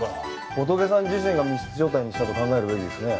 ホトケさん自身が密室状態にしたと考えるべきですね。